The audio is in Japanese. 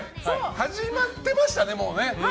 始まってましたね、もうね。